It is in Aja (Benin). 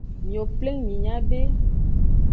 Miwo pleng minya be.